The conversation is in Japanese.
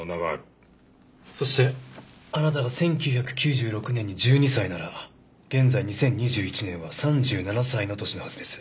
そしてあなたが１９９６年に１２歳なら現在２０２１年は３７歳の年のはずです。